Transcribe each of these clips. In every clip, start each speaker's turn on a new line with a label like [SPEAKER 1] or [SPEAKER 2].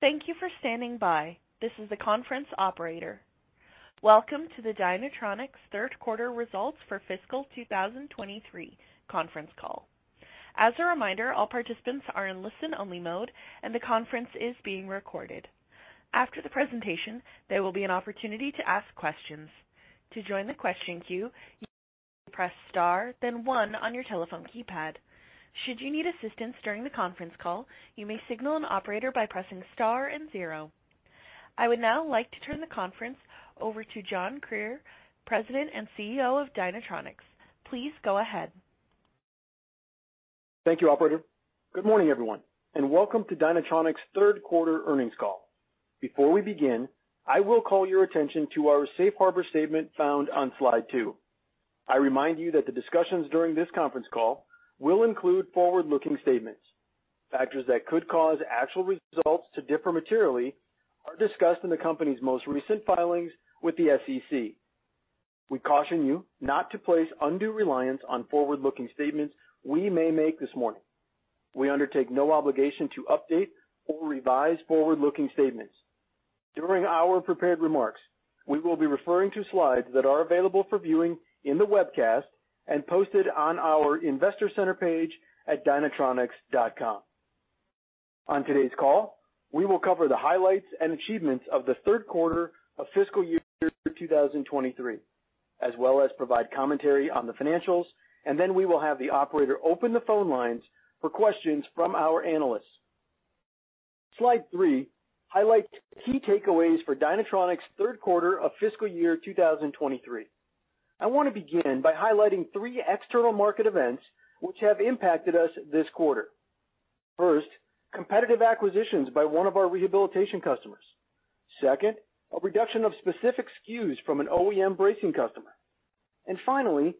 [SPEAKER 1] Thank you for standing by. This is the conference operator. Welcome to the Dynatronics third quarter results for fiscal 2023 conference call. As a reminder, all participants are in listen-only mode, the conference is being recorded. After the presentation, there will be an opportunity to ask questions. To join the question queue, you may press Star, then one on your telephone keypad. Should you need assistance during the conference call, you may signal an operator by pressing Star and zero. I would now like to turn the conference over to John Krier, President and CEO of Dynatronics. Please go ahead.
[SPEAKER 2] Thank you, operator. Good morning, everyone, and welcome to Dynatronics third quarter earnings call. Before we begin, I will call your attention to our safe harbor statement found on slide 2. I remind you that the discussions during this conference call will include forward-looking statements. Factors that could cause actual results to differ materially are discussed in the company's most recent filings with the SEC. We caution you not to place undue reliance on forward-looking statements we may make this morning. We undertake no obligation to update or revise forward-looking statements. During our prepared remarks, we will be referring to slides that are available for viewing in the webcast and posted on our Investor Center page at dynatronics.com. On today's call, we will cover the highlights and achievements of the third quarter of fiscal year 2023, as well as provide commentary on the financials. We will have the operator open the phone lines for questions from our analysts. Slide three highlights key takeaways for Dynatronics third quarter of fiscal year 2023. I want to begin by highlighting three external market events which have impacted us this quarter. First, competitive acquisitions by one of our rehabilitation customers. Second, a reduction of specific SKUs from an OEM bracing customer. Finally,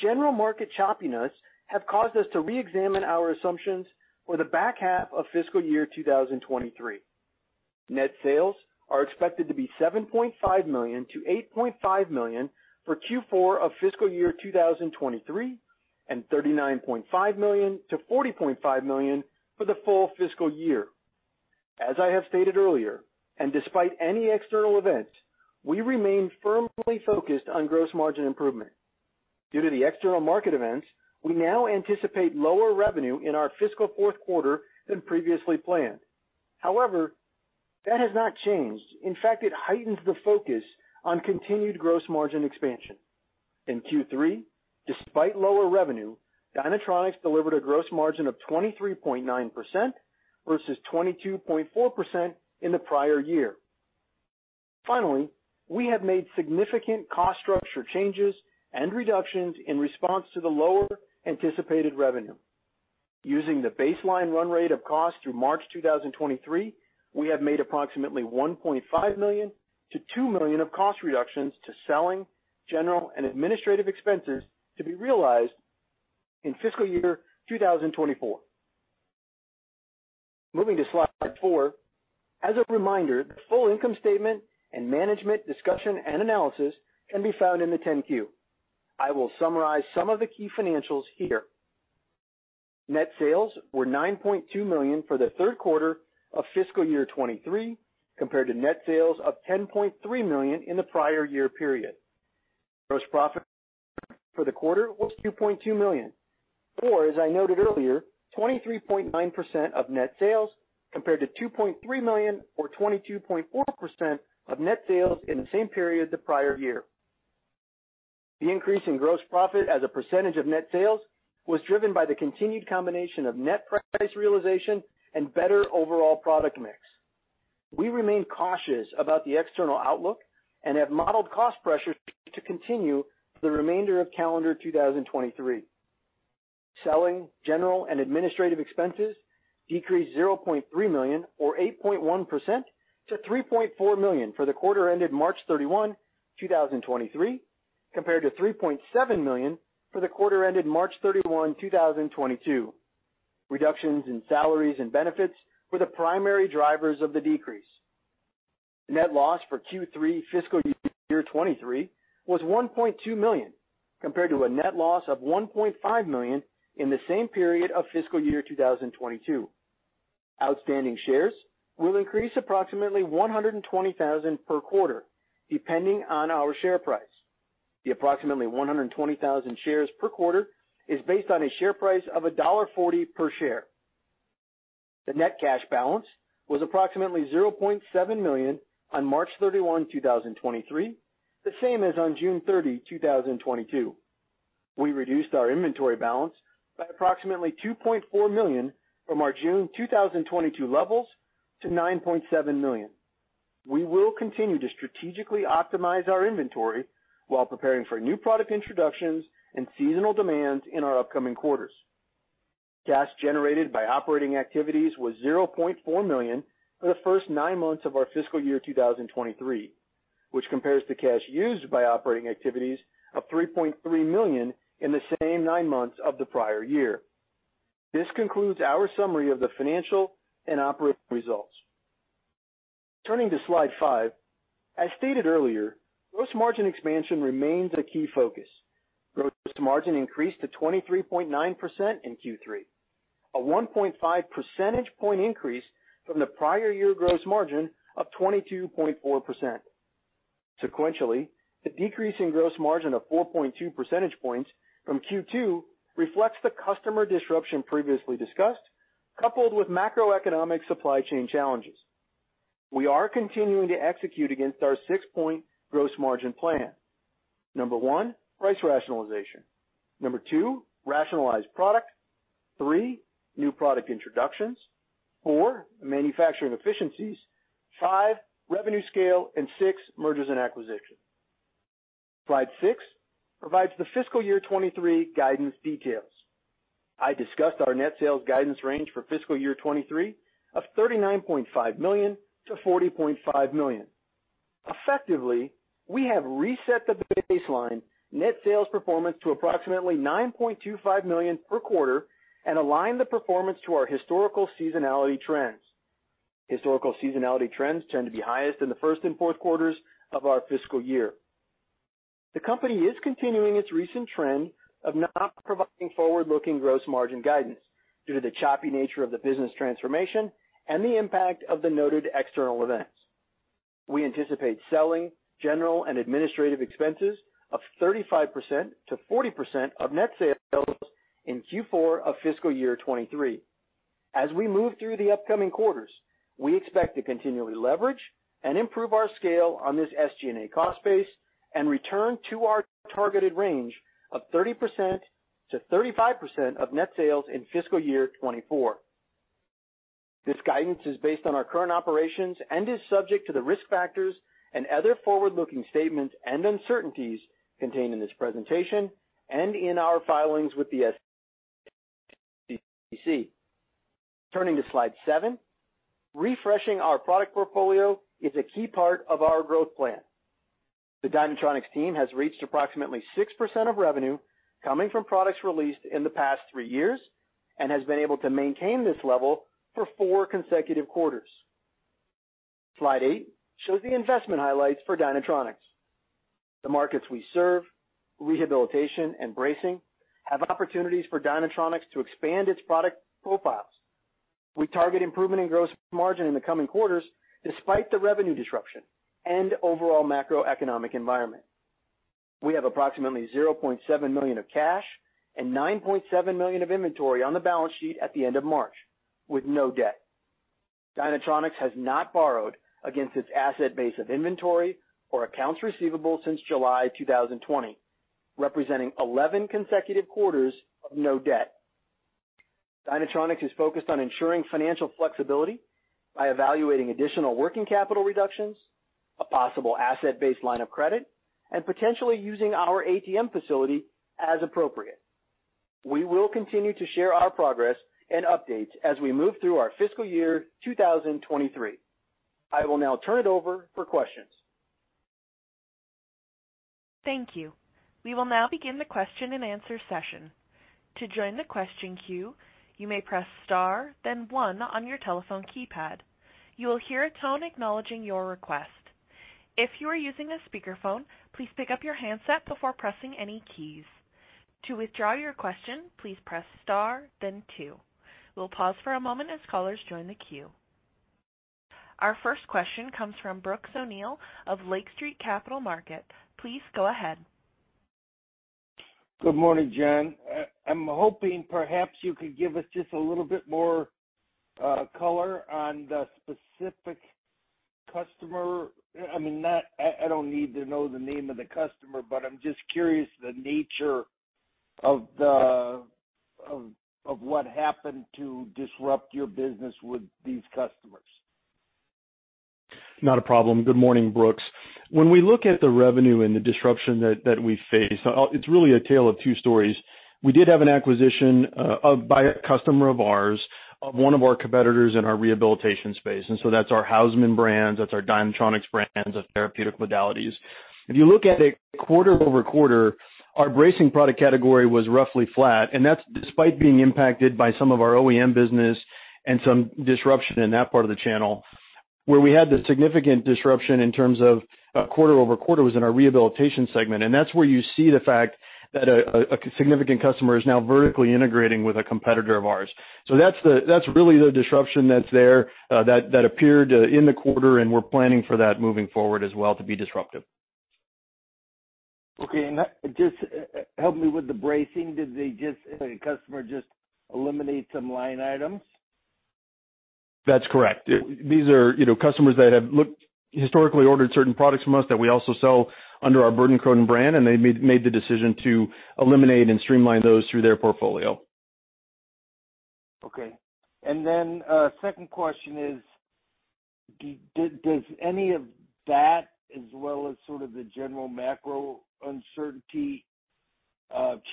[SPEAKER 2] general market choppiness have caused us to reexamine our assumptions for the back half of fiscal year 2023. Net sales are expected to be $7.5 million-$8.5 million for Q4 of fiscal year 2023 and $39.5 million-$40.5 million for the full fiscal year. As I have stated earlier, despite any external events, we remain firmly focused on gross margin improvement. Due to the external market events, we now anticipate lower revenue in our fiscal fourth quarter than previously planned. However, that has not changed. In fact, it heightens the focus on continued gross margin expansion. In Q3, despite lower revenue, Dynatronics delivered a gross margin of 23.9% versus 22.4% in the prior year. Finally, we have made significant cost structure changes and reductions in response to the lower anticipated revenue. Using the baseline run rate of cost through March 2023, we have made approximately $1.5 million-$2 million of cost reductions to selling, general, and administrative expenses to be realized in fiscal year 2024. Moving to slide four. As a reminder, the full income statement and management discussion and analysis can be found in the 10-Q. I will summarize some of the key financials here. Net sales were $9.2 million for the third quarter of fiscal year 2023, compared to net sales of $10.3 million in the prior year period. Gross profit for the quarter was $2.2 million, or as I noted earlier, 23.9% of net sales, compared to $2.3 million or 22.4% of net sales in the same period the prior year. The increase in gross profit as a percentage of net sales was driven by the continued combination of net price realization and better overall product mix. We remain cautious about the external outlook and have modeled cost pressures to continue for the remainder of calendar 2023. Selling, general and administrative expenses decreased $0.3 million or 8.1% to $3.4 million for the quarter ended March 31, 2023, compared to $3.7 million for the quarter ended March 31, 2022. Reductions in salaries and benefits were the primary drivers of the decrease. Net loss for Q3 fiscal year 2023 was $1.2 million, compared to a net loss of $1.5 million in the same period of fiscal year 2022. Outstanding shares will increase approximately 120,000 per quarter, depending on our share price. The approximately 120,000 shares per quarter is based on a share price of $1.40 per share. The net cash balance was approximately $0.7 million on March 31, 2023, the same as on June 30, 2022. We reduced our inventory balance by approximately $2.4 million from our June 2022 levels to $9.7 million. We will continue to strategically optimize our inventory while preparing for new product introductions and seasonal demands in our upcoming quarters. Cash generated by operating activities was $0.4 million for the first nine months of our fiscal year 2023, which compares to cash used by operating activities of $3.3 million in the same nine months of the prior year. This concludes our summary of the financial and operating results. Turning to slide 5. As stated earlier, gross margin expansion remains a key focus. Gross margin increased to 23.9% in Q3, a 1.5 percentage point increase from the prior year gross margin of 22.4%. Sequentially, the decrease in gross margin of 4.2 percentage points from Q2 reflects the customer disruption previously discussed, coupled with macroeconomic supply chain challenges. We are continuing to execute against our six-point gross margin plan. Number one, price rationalization. Number two, rationalize product. Three, new product introductions. Four, manufacturing efficiencies. Five, revenue scale. Six, mergers and acquisitions. Slide 6 provides the fiscal year 2023 guidance details. I discussed our net sales guidance range for fiscal year 2023 of $39.5 million-$40.5 million. Effectively, we have reset the baseline net sales performance to approximately $9.25 million per quarter and aligned the performance to our historical seasonality trends. Historical seasonality trends tend to be highest in the first and fourth quarters of our fiscal year. The company is continuing its recent trend of not providing forward-looking gross margin guidance due to the choppy nature of the business transformation and the impact of the noted external events. We anticipate selling, general and administrative expenses of 35%-40% of net sales in Q4 of fiscal year 2023. As we move through the upcoming quarters, we expect to continually leverage and improve our scale on this SG&A cost base and return to our targeted range of 30%-35% of net sales in fiscal year 2024. This guidance is based on our current operations and is subject to the risk factors and other forward-looking statements and uncertainties contained in this presentation and in our filings with the SEC. Turning to slide 7. Refreshing our product portfolio is a key part of our growth plan. The Dynatronics team has reached approximately 6% of revenue coming from products released in the past 3 years and has been able to maintain this level for 4 consecutive quarters. Slide 8 shows the investment highlights for Dynatronics. The markets we serve, rehabilitation and bracing, have opportunities for Dynatronics to expand its product profiles. We target improvement in gross margin in the coming quarters despite the revenue disruption and overall macroeconomic environment. We have approximately $0.7 million of cash and $9.7 million of inventory on the balance sheet at the end of March, with no debt. Dynatronics has not borrowed against its asset base of inventory or accounts receivable since July 2020, representing 11 consecutive quarters of no debt. Dynatronics is focused on ensuring financial flexibility by evaluating additional working capital reductions, a possible asset-based line of credit, and potentially using our ATM facility as appropriate. We will continue to share our progress and updates as we move through our fiscal year 2023. I will now turn it over for questions.
[SPEAKER 1] Thank you. We will now begin the question-and-answer session. To join the question queue, you may press star then one on your telephone keypad. You will hear a tone acknowledging your request. If you are using a speakerphone, please pick up your handset before pressing any keys. To withdraw your question, please press star then two. We'll pause for a moment as callers join the queue. Our first question comes from Brooks O'Neil of Lake Street Capital Markets. Please go ahead.
[SPEAKER 3] Good morning, John. I'm hoping perhaps you could give us just a little bit more color on the specific customer. I mean, I don't need to know the name of the customer, but I'm just curious the nature of the, of what happened to disrupt your business with these customers.
[SPEAKER 2] Not a problem. Good morning, Brooks. When we look at the revenue and the disruption that we face, it's really a tale of two stories. We did have an acquisition by a customer of ours, of one of our competitors in our rehabilitation space, and so that's our Hausmann brands, that's our Dynatronics brands of therapeutic modalities. If you look at it quarter-over-quarter, our bracing product category was roughly flat, and that's despite being impacted by some of our OEM business and some disruption in that part of the channel. Where we had the significant disruption in terms of quarter-over-quarter was in our rehabilitation segment. That's where you see the fact that a significant customer is now vertically integrating with a competitor of ours. That's really the disruption that's there, that appeared in the quarter, and we're planning for that moving forward as well to be disruptive.
[SPEAKER 3] Okay. Just help me with the bracing. The customer just eliminate some line items?
[SPEAKER 2] That's correct. These are, you know, customers that have historically ordered certain products from us that we also sell under our Bird & Cronin brand, and they made the decision to eliminate and streamline those through their portfolio.
[SPEAKER 3] Okay. Second question is, does any of that as well as sort of the general macro uncertainty,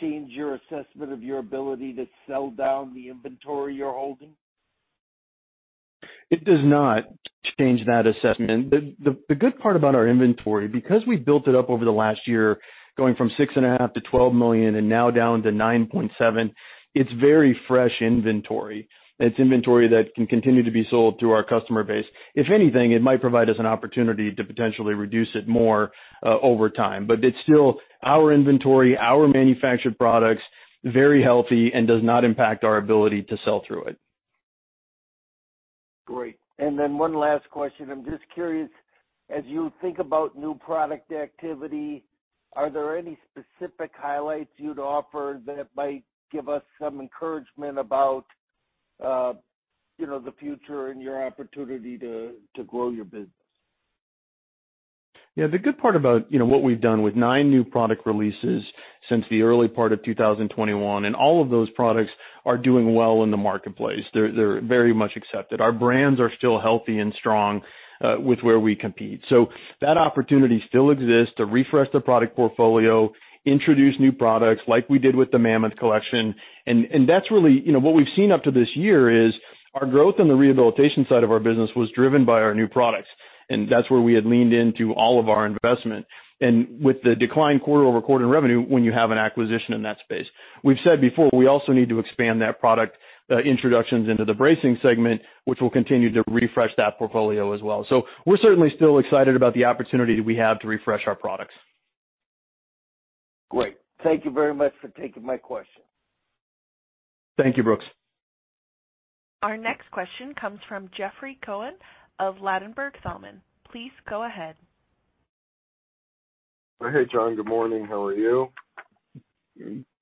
[SPEAKER 3] change your assessment of your ability to sell down the inventory you're holding?
[SPEAKER 2] It does not change that assessment. The good part about our inventory, because we built it up over the last year, going from $6.5 million-$12 million and now down to $9.7 million, it's very fresh inventory. It's inventory that can continue to be sold through our customer base. If anything, it might provide us an opportunity to potentially reduce it more over time. It's still our inventory, our manufactured products, very healthy, and does not impact our ability to sell through it.
[SPEAKER 3] Great. Then one last question. I'm just curious, as you think about new product activity, are there any specific highlights you'd offer that might give us some encouragement about, you know, the future and your opportunity to grow your business?
[SPEAKER 2] Yeah. The good part about, you know, what we've done with nine new product releases since the early part of 2021, all of those products are doing well in the marketplace. They're very much accepted. Our brands are still healthy and strong with where we compete. That opportunity still exists to refresh the product portfolio, introduce new products like we did with the Mammoth collection. That's really. You know, what we've seen up to this year is our growth in the rehabilitation side of our business was driven by our new products, and that's where we had leaned into all of our investment. With the decline quarter-over-quarter revenue, when you have an acquisition in that space. We've said before, we also need to expand that product, introductions into the bracing segment, which will continue to refresh that portfolio as well. We're certainly still excited about the opportunity we have to refresh our products.
[SPEAKER 3] Great. Thank you very much for taking my question.
[SPEAKER 2] Thank you, Brooks.
[SPEAKER 1] Our next question comes from Jeffrey Cohen of Ladenburg Thalmann. Please go ahead.
[SPEAKER 4] Hey, John. Good morning. How are you?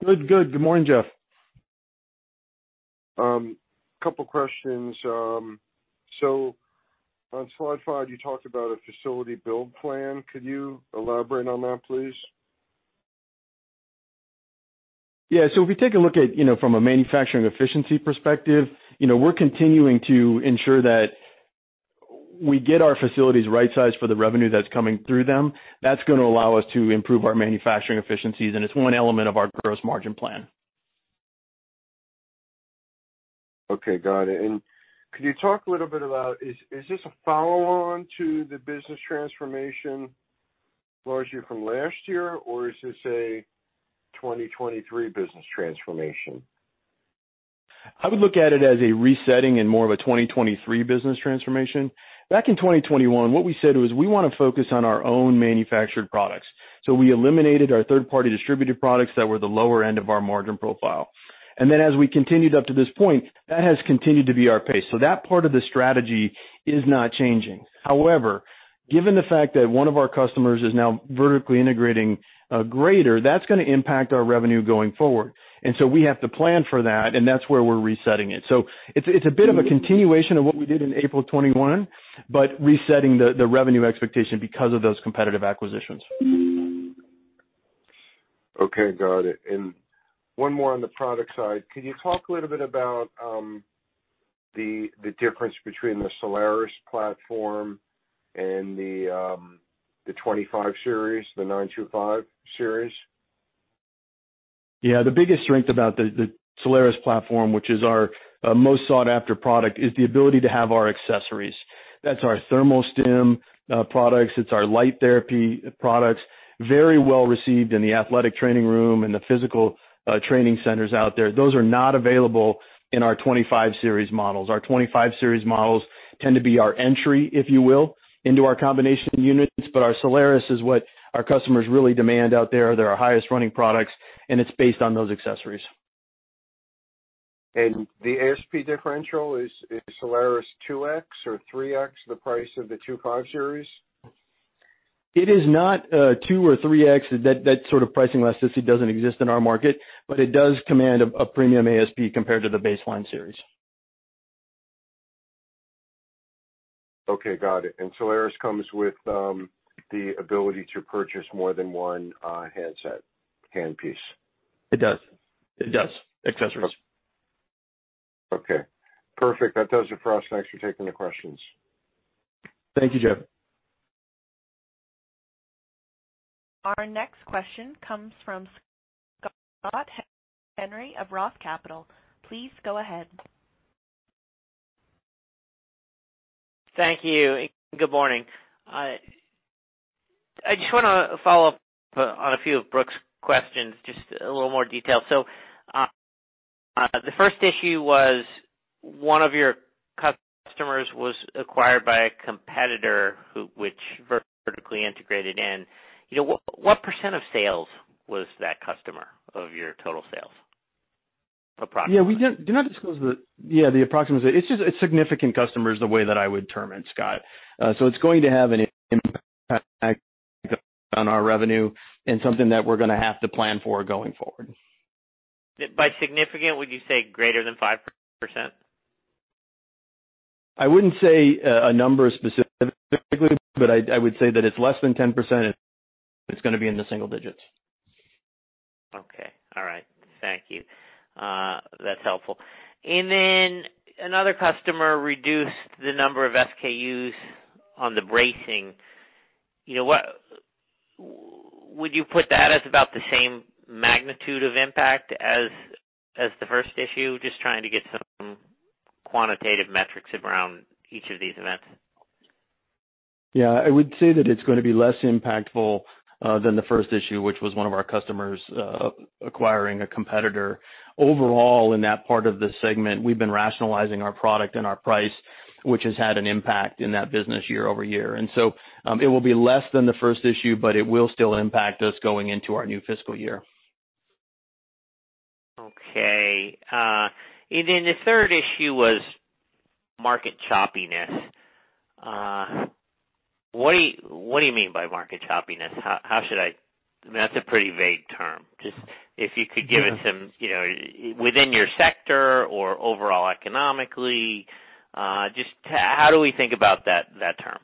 [SPEAKER 2] Good. Good morning, Jeff.
[SPEAKER 4] Couple questions. On slide 5, you talked about a facility build plan. Could you elaborate on that, please?
[SPEAKER 2] Yeah. If you take a look at, you know, from a manufacturing efficiency perspective, you know, we're continuing to ensure that we get our facilities right-sized for the revenue that's coming through them. That's gonna allow us to improve our manufacturing efficiencies, and it's one element of our gross margin plan.
[SPEAKER 4] Okay, got it. Could you talk a little bit about is this a follow on to the business transformation largely from last year, or is this a 2023 business transformation?
[SPEAKER 2] I would look at it as a resetting and more of a 2023 business transformation. Back in 2021, what we said was we wanna focus on our own manufactured products. We eliminated our third-party distributed products that were the lower end of our margin profile. As we continued up to this point, that has continued to be our pace. That part of the strategy is not changing. However, given the fact that one of our customers is now vertically integrating greater, that's gonna impact our revenue going forward. We have to plan for that, and that's where we're resetting it. It's, it's a bit of a continuation of what we did in April of 2021, but resetting the revenue expectation because of those competitive acquisitions.
[SPEAKER 4] Okay, got it. One more on the product side. Can you talk a little bit about the difference between the Solaris platform and the 25 Series, the 925 Series?
[SPEAKER 2] Yeah. The biggest strength about the Solaris platform, which is our most sought-after product, is the ability to have our accessories. That's our ThermoStim products. It's our light therapy products. Very well received in the athletic training room and the physical training centers out there. Those are not available in our 25 Series models. Our 25 Series models tend to be our entry, if you will, into our combination units. Our Solaris is what our customers really demand out there. They're our highest running products, it's based on those accessories.
[SPEAKER 4] The ASP differential, is Solaris 2x or 3x the price of the 25 Series?
[SPEAKER 2] It is not, two or 3x. That sort of pricing elasticity doesn't exist in our market, but it does command a premium ASP compared to the baseline series.
[SPEAKER 4] Okay, got it. Solaris comes with the ability to purchase more than one handset handpiece?
[SPEAKER 2] It does. Accessories.
[SPEAKER 4] Okay, perfect. That does it for us. Thanks for taking the questions.
[SPEAKER 2] Thank you, Jeff.
[SPEAKER 1] Our next question comes from Scott Henry of Roth Capital. Please go ahead.
[SPEAKER 5] Thank you. Good morning. I just wanna follow up on a few of Brooks' questions, just a little more detail. The first issue was one of your customers was acquired by a competitor which vertically integrated. You know, what % of sales was that customer of your total sales approximately?
[SPEAKER 2] Yeah. We don't. It's just a significant customer is the way that I would term it, Scott. It's going to have an impact on our revenue and something that we're gonna have to plan for going forward.
[SPEAKER 5] By significant, would you say greater than 5%?
[SPEAKER 2] I wouldn't say a number specifically, but I would say that it's less than 10%. It's gonna be in the single digits.
[SPEAKER 5] Okay. All right. Thank you. That's helpful. Another customer reduced the number of SKUs on the bracing. You know, Would you put that as about the same magnitude of impact as the first issue? Just trying to get some quantitative metrics around each of these events.
[SPEAKER 2] Yeah. I would say that it's going to be less impactful than the first issue, which was one of our customers acquiring a competitor. Overall, in that part of the segment, we've been rationalizing our product and our price, which has had an impact in that business year-over-year. It will be less than the first issue, but it will still impact us going into our new fiscal year.
[SPEAKER 5] Okay. The third issue was market choppiness. What do you mean by market choppiness? How should I... That's a pretty vague term. Just if you could give it some, you know, within your sector or overall economically, just how do we think about that term?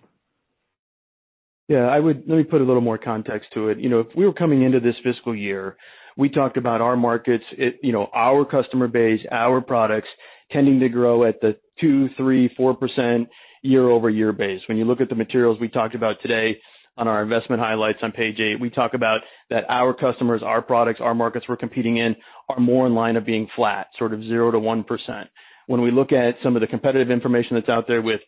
[SPEAKER 2] Yeah, Let me put a little more context to it. You know, if we were coming into this fiscal year, we talked about our markets, you know, our customer base, our products tending to grow at the 2%, 3%, 4% year-over-year base. When you look at the materials we talked about today on our investment highlights on page 8, we talk about that our customers, our products, our markets we're competing in are more in line of being flat, sort of 0%-1%. When we look at some of the competitive information that's out there with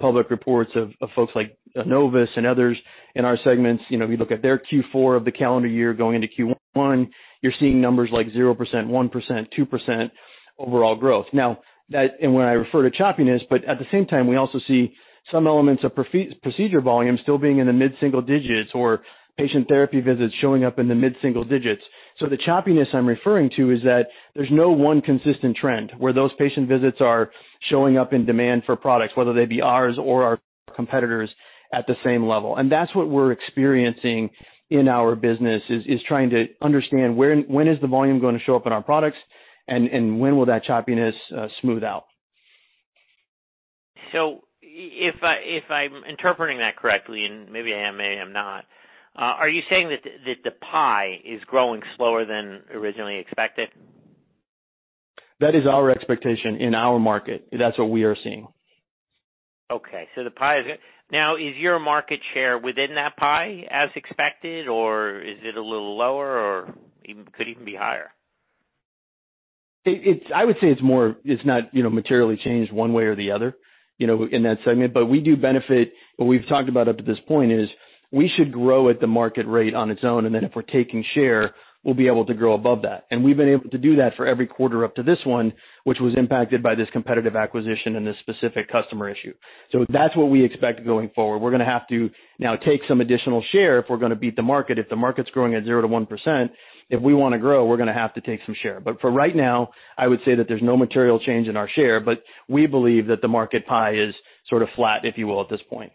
[SPEAKER 2] public reports of folks like Enovis and others in our segments, you know, you look at their Q4 of the calendar year going into Q1, you're seeing numbers like 0%, 1%, 2% overall growth. Now when I refer to choppiness, but at the same time, we also see some elements of procedure volume still being in the mid-single digits or patient therapy visits showing up in the mid-single digits. The choppiness I'm referring to is that there's no one consistent trend where those patient visits are showing up in demand for products, whether they be ours or our competitors at the same level. That's what we're experiencing in our business is trying to understand where when is the volume going to show up in our products and when will that choppiness smooth out.
[SPEAKER 5] If I'm interpreting that correctly, and maybe I am, maybe I'm not, are you saying that the pie is growing slower than originally expected?
[SPEAKER 2] That is our expectation in our market. That's what we are seeing.
[SPEAKER 5] Okay. The pie is... Now, is your market share within that pie as expected, or is it a little lower, or could even be higher?
[SPEAKER 2] It's I would say it's more it's not, you know, materially changed one way or the other, you know, in that segment. We do benefit, what we've talked about up to this point is we should grow at the market rate on its own, and then if we're taking share, we'll be able to grow above that. We've been able to do that for every quarter up to this one, which was impacted by this competitive acquisition and this specific customer issue. That's what we expect going forward. We're gonna have to now take some additional share if we're gonna beat the market. If the market's growing at 0%-1%, if we wanna grow, we're gonna have to take some share. For right now, I would say that there's no material change in our share, but we believe that the market pie is sort of flat, if you will, at this point.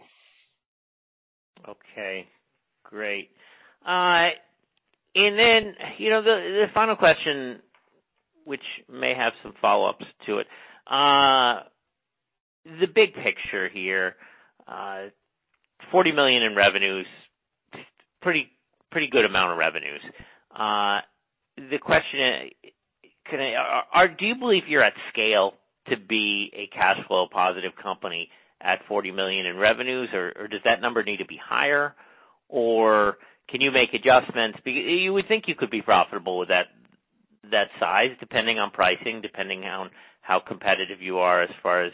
[SPEAKER 5] Okay, great. You know, the final question, which may have some follow-ups to it. The big picture here, $40 million in revenues, pretty good amount of revenues. The question, do you believe you're at scale to be a cash flow positive company at $40 million in revenues, or does that number need to be higher, or can you make adjustments? You would think you could be profitable with that size, depending on pricing, depending on how competitive you are as far as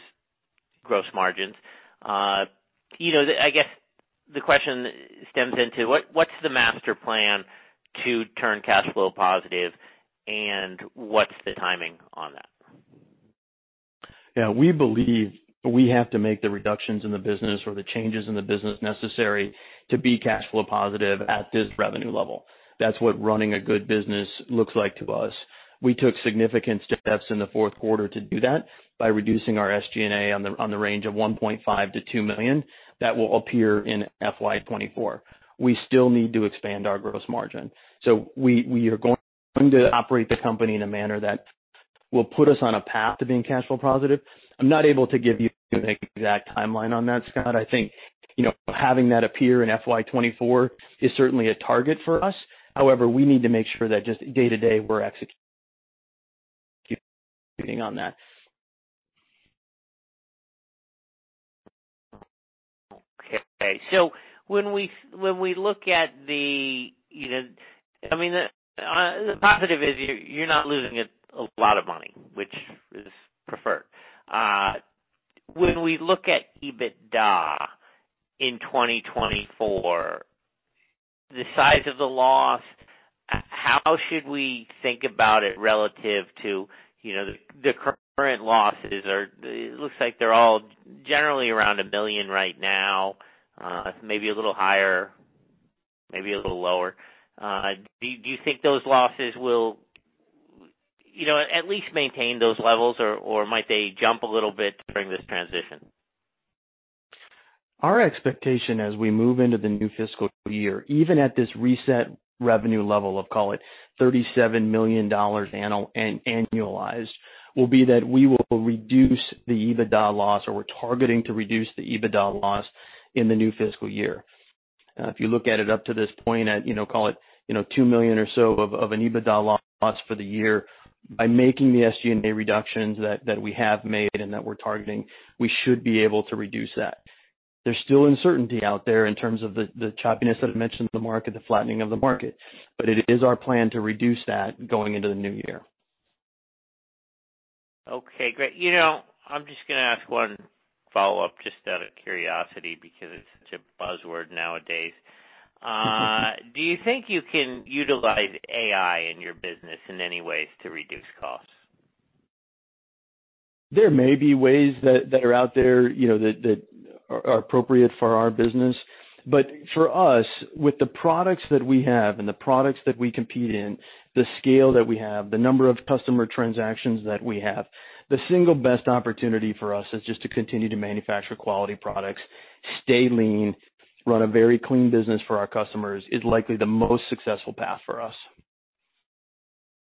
[SPEAKER 5] gross margins. You know, I guess the question stems into what's the master plan to turn cash flow positive, and what's the timing on that?
[SPEAKER 2] Yeah. We believe we have to make the reductions in the business or the changes in the business necessary to be cash flow positive at this revenue level. That's what running a good business looks like to us. We took significant steps in the fourth quarter to do that by reducing our SG&A on the range of $1.5 million-$2 million. That will appear in FY 2024. We still need to expand our gross margin. We are going to operate the company in a manner that will put us on a path to being cash flow positive. I'm not able to give you an exact timeline on that, Scott. I think, you know, having that appear in FY 2024 is certainly a target for us. However, we need to make sure that just day-to-day we're executing on that.
[SPEAKER 5] Okay. When we look at the, you know, I mean, the positive is you're not losing a lot of money, which is preferred. When we look at EBITDA in 2024, the size of the loss, how should we think about it relative to, you know, the current losses. It looks like they're all generally around $1 billion right now, maybe a little higher, maybe a little lower. Do you think those losses will, you know, at least maintain those levels or might they jump a little bit during this transition?
[SPEAKER 2] Our expectation as we move into the new fiscal year, even at this reset revenue level of, call it $37 million annualized, will be that we will reduce the EBITDA loss or we're targeting to reduce the EBITDA loss in the new fiscal year. If you look at it up to this point at, you know, call it, you know, $2 million or so of an EBITDA loss for the year. By making the SG&A reductions that we have made and that we're targeting, we should be able to reduce that. There's still uncertainty out there in terms of the choppiness that I mentioned in the market, the flattening of the market, but it is our plan to reduce that going into the new year.
[SPEAKER 5] Okay, great. You know, I'm just gonna ask one follow-up just out of curiosity because it's such a buzzword nowadays. Do you think you can utilize AI in your business in any ways to reduce costs?
[SPEAKER 2] There may be ways that are out there, you know, that are appropriate for our business. For us, with the products that we have and the products that we compete in, the scale that we have, the number of customer transactions that we have, the single best opportunity for us is just to continue to manufacture quality products, stay lean, run a very clean business for our customers is likely the most successful path for us.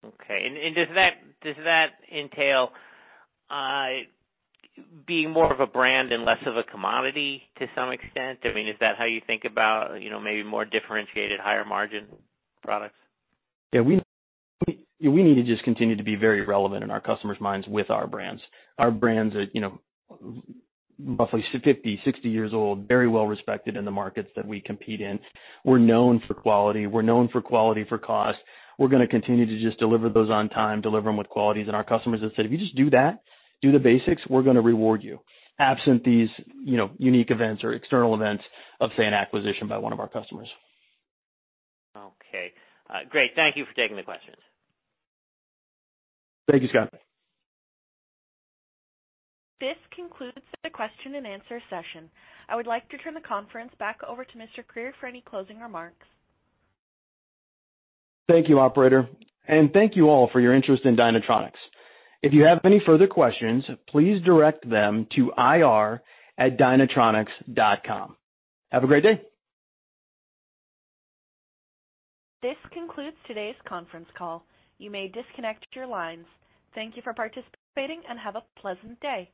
[SPEAKER 5] Okay. Does that entail, being more of a brand and less of a commodity to some extent? I mean, is that how you think about, you know, maybe more differentiated, higher margin products?
[SPEAKER 2] Yeah. We need to just continue to be very relevant in our customers' minds with our brands. Our brands are, you know, roughly 50, 60 years old, very well-respected in the markets that we compete in. We're known for quality, for cost. We're gonna continue to just deliver those on time, deliver them with qualities. Our customers have said, "If you just do that, do the basics, we're gonna reward you." Absent these, you know, unique events or external events of, say, an acquisition by one of our customers.
[SPEAKER 5] Okay. great. Thank you for taking the questions.
[SPEAKER 2] Thank you, Scott.
[SPEAKER 1] This concludes the question and answer session. I would like to turn the conference back over to Mr. Krier for any closing remarks.
[SPEAKER 2] Thank you, operator, and thank you all for your interest in Dynatronics. If you have any further questions, please direct them to ir@dynatronics.com. Have a great day.
[SPEAKER 1] This concludes today's conference call. You may disconnect your lines. Thank you for participating, and have a pleasant day.